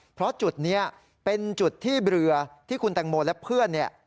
เพราะจุดนี้เป็นจุดที่เรือที่คุณแตงโมและเพื่อนเนี่ย